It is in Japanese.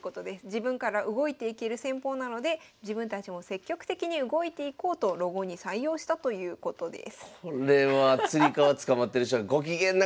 自分から動いていける戦法なので自分たちも積極的に動いていこうとロゴに採用したということです。